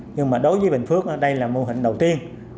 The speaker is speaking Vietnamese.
nhưng mà đối với bình phước đây là mô hình đầu tiên